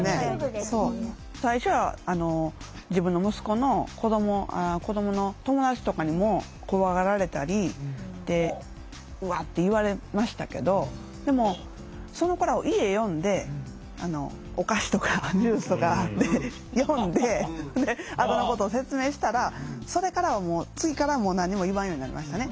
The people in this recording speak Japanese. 最初は自分の息子の子どもの友達とかにも怖がられたり「うわっ」って言われましたけどでもその子らを家呼んでお菓子とかジュースとかで呼んであざのことを説明したらそれからはもう次からはもう何も言わんようになりましたね。